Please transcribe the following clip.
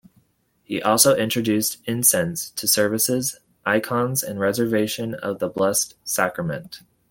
He also introduced incense to services, icons and Reservation of the Blessed Sacrament.